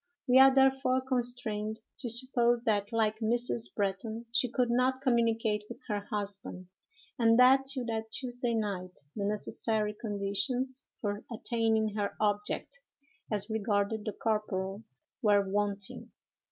We are therefore constrained to suppose that, like Mrs. Bretton, she could not communicate with her husband, and that, till that Tuesday night, the necessary conditions for attaining her object, as regarded the corporal, were wanting.